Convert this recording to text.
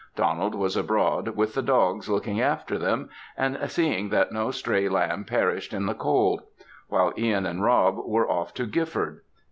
Donald was abroad, with the dogs looking after them, and seeing that no stray lamb perished in the cold; while Ihan and Rob were off to Gifford.